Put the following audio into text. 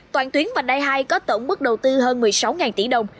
toàn tuyến vành đai hai có tổng mức đầu tư hơn một mươi sáu tỷ đồng